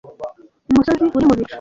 musozi uri mubicu.